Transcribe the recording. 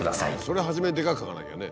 それを初めにでかく書かなきゃね。